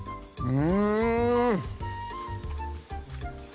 うん！